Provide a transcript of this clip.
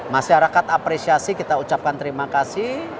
masyarakat apresiasi kita ucapkan terima kasih